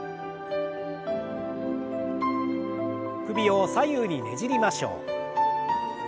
首を左右にねじりましょう。